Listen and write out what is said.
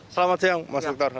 selamat siang mas duktar